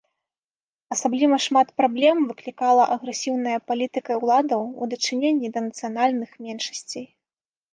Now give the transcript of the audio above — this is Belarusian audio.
Асабліва шмат праблем выклікала агрэсіўная палітыка ўладаў у дачыненні да нацыянальных меншасцей.